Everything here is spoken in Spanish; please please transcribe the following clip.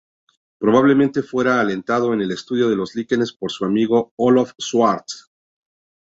Probablemente fuera alentado en el estudio de los líquenes por su amigo Olof Swartz.